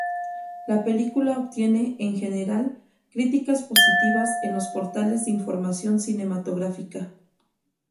La película obtiene en general críticas positivas en los portales de información cinematográfica.